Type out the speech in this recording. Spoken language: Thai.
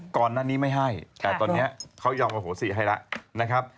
ก่อนหน้านี้ไม่ให้แต่ตอนนี้เขายอมอโหสิให้แล้วนะครับ